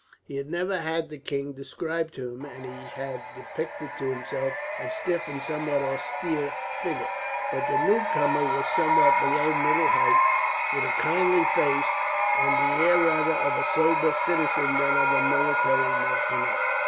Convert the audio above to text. He had never had the king described to him, and had depicted to himself a stiff and somewhat austere figure; but the newcomer was somewhat below middle height, with a kindly face, and the air rather of a sober citizen than of a military martinet.